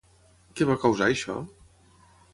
Què va causar això?